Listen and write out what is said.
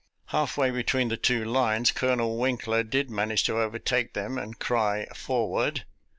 Halfway between the two lines Colonel Winkler did man age to overtake them and cry " Forward